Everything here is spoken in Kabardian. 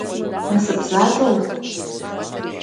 Насып защӏэ ухъу!